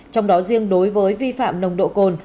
trong đó riêng đối với vi phạm nồng độ cồn